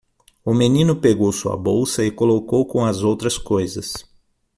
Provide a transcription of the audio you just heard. O menino pegou sua bolsa e colocou com as outras coisas.